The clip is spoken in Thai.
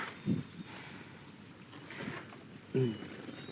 อีกไม่นานเขาคงจะได้กลับไป